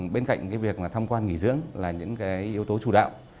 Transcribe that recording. bên cạnh cái việc mà thăm quan nghỉ dưỡng là những cái yếu tố chủ đạo